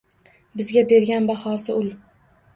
Bizga bergan bahosi ul.